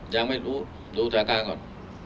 ยังไม่รู้ดูสถานการณ์ก่อน